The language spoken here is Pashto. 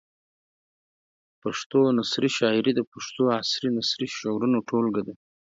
پښتو نثري شاعري د پښتو عصري نثري شعرونو ټولګه ده.